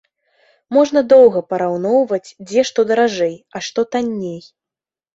Можна доўга параўноўваць, дзе што даражэй, а што танней.